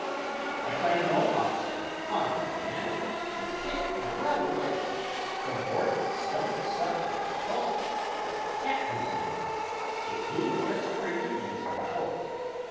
I claim no hoss will harm a man, Ner kick, ner run away, cavort, Stump suck, er balk, er "catamaran," Ef you'll jest treat him as you ort.